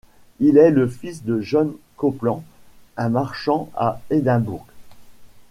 Il est le fils de John Copland, un marchand à Édimbourg.